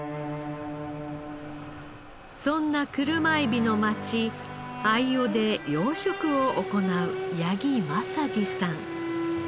そんな車エビの町秋穂で養殖を行う八木政治さん。